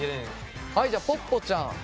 はいじゃあぽっぽちゃん。